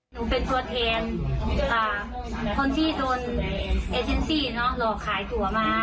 หนูเป็นตัวแทนคนที่โดนเอเจนซี่เนอะหลอกขายตัวมา